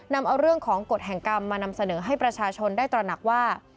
นำเอาเรื่องของกฎแห่งกรรมมานำเสนอให้ประชาชนได้ตระหนักว่า